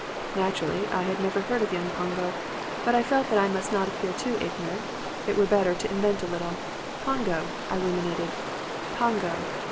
"Naturally I had never heard of young Pongo, but I felt that I must not appear too ignorant. It were better to invent a little. "'Pongo,' I ruminated; 'Pongo.